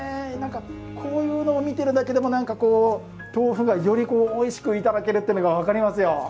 何かこういうのを見てるだけでも何かこう豆腐がよりおいしく頂けるっていうのが分かりますよ。